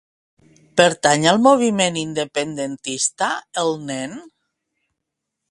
Pertany al moviment independentista el Nen?